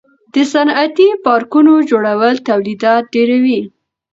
د صنعتي پارکونو جوړول تولیدات ډیروي.